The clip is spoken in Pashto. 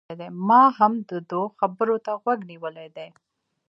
ما هم د ده و خبرو ته غوږ نيولی دی